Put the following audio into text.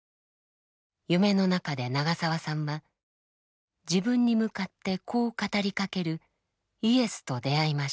夢の中で長澤さんは自分に向かってこう語りかけるイエスと出会いました。